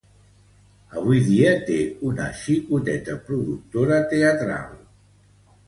Avui dia té una xicoteta productora teatral.